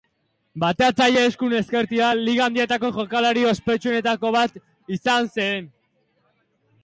Bateatzaile eskuin-ezkertia, Liga Handietako jokalari ospetsuenetariko bat izan zen.